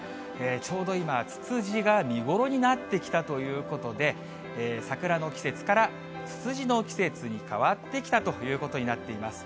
ちょうど今、ツツジが見頃になってきたということで、桜の季節からツツジの季節に変わってきたということになっています。